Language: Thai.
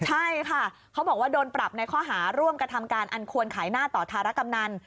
ใช่ค่ะเขาบอกว่าโดนปรับในข้อหาร่วมกระทำการอันควรขายหน้าต่อธารกำนัน